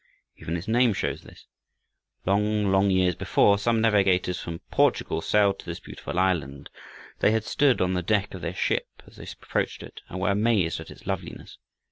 Even its name shows this. Long, long years before, some navigators from Portugal sailed to this beautiful island. They had stood on the deck of their ship as they approached it, and were amazed at its loveliness.